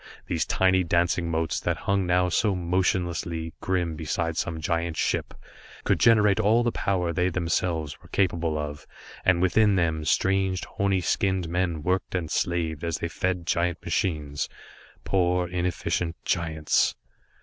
These tiny dancing motes, that hung now so motionlessly grim beside some giant ship, could generate all the power they themselves were capable of, and within them strange, horny skinned men worked and slaved, as they fed giant machines poor inefficient giants.